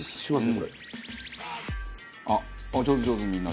あっ上手上手みんな。